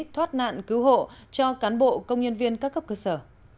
thoát nạn cứu hộ cho cán bộ công nhân viên các cấp cơ sở